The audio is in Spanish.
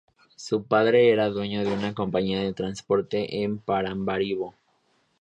Su padre era dueño de una compañía de transporte en Paramaribo.